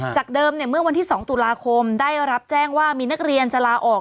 จากเดิมเมื่อวันที่๒ตุลาคมได้รับแจ้งว่ามีนักเรียนจะลาออก